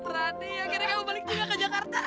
berani akhirnya kamu balik juga ke jakarta